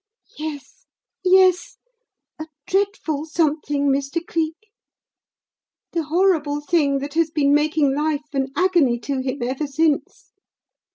"Yes, yes a dreadful 'something,' Mr. Cleek: the horrible thing that has been making life an agony to him ever since.